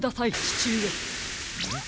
ちちうえ。